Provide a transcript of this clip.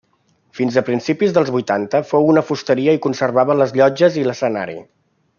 Fins a principis dels vuitanta fou una fusteria i conservava les llotges i l'escenari.